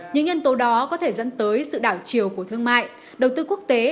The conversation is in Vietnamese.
những nhân tố đó có thể dẫn tới sự đảo chiều của thương mại đầu tư quốc tế